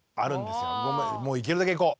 もういけるだけいこう！